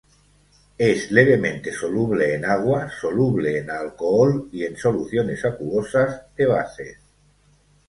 Es levemente soluble en agua, soluble en alcohol y en soluciones acuosas de bases.